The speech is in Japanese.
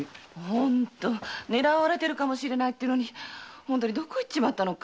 本当狙われてるかもしれないのにどこ行っちまったのか。